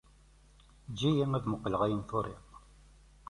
Eǧǧ-iyi ad muqqleɣ ayen i turiḍ.